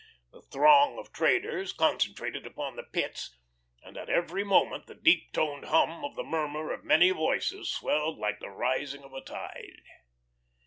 The throng of traders concentrated upon the pits, and at every moment the deep toned hum of the murmur of many voices swelled like the rising of a tide.